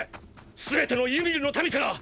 すべてのユミルの民から！！